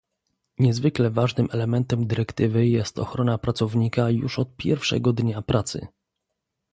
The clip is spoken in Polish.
Niezwykle ważnym elementem dyrektywy jest ochrona pracownika już od pierwszego dnia pracy